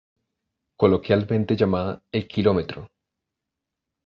Coloquialmente llamada ""El Kilómetro"".